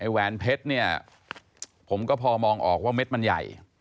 แหวนเพชรเนี่ยผมก็พอมองออกว่าเม็ดมันใหญ่